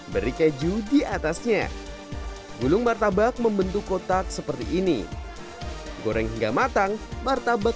beri keju diatasnya gulung martabak membentuk kotak seperti ini goreng hingga matang martabak